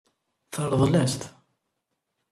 Teṛḍel-as-t.